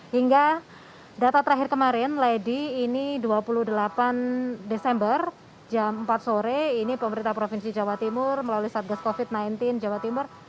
hingga data terakhir kemarin lady ini dua puluh delapan desember jam empat sore ini pemerintah provinsi jawa timur melalui satgas covid sembilan belas jawa timur